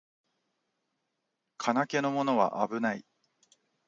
金気のものはあぶない